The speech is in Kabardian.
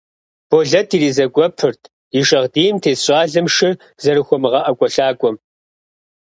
Болэт иризэгуэпырт и шагъдийм тес щӀалэм шыр зэрыхуэмыгъэӀэкӀуэлъакӀуэм.